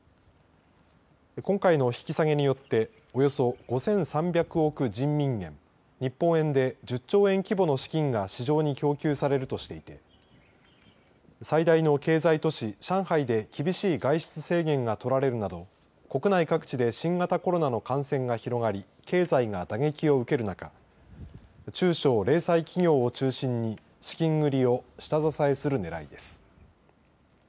今回の引き下げによっておよそ５３００億人民元日本円で１０兆円規模の資金が市場に供給されるとしていて最大の経済都市、上海で厳しい外出制限が取られるなど国内各地で新型コロナの感染が広がり経済が打撃を受ける中中小・零細企業を中心に資金繰りを下支えする狙いです。